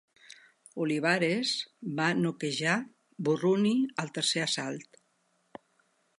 Olivares va noquejar Burruni al tercer assalt.